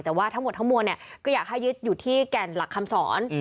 แต่ว่าทั้งหมดทั้งมวลก็อยากให้ยึดอยู่ที่แก่นหลักคำสอน